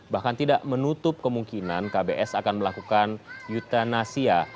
bahkan tidak menutup kemungkinan kbs akan melakukan yutanasia